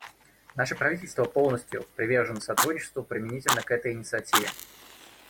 Наше правительство полностью привержено сотрудничеству применительно к этой инициативе.